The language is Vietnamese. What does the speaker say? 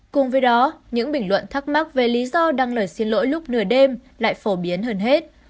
cùng với đó những bình luận thắc mắc về lý do đăng lời xin lỗi lúc nửa đêm lại phổ biến hơn hết